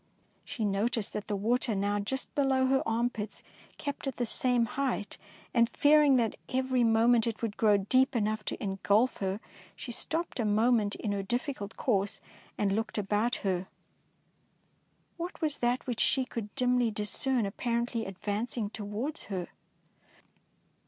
She noticed that the water, now just below her armpits, kept at the same height, and fearing that every moment it would grow deep enough to engulf her, she stopped a moment in her difficult course and looked about her. 252 DICEY LANGSTON What was that which she could dimly discern apparently advancing towards her